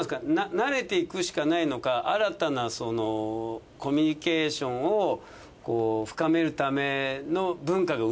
慣れていくしかないのか新たなコミュニケーションを深めるための文化が生まれるのか。